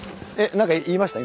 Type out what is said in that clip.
何か言いました？